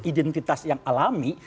identitas yang alami